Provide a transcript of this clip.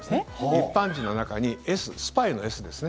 一般人の中にスパイの「Ｓ」ですね。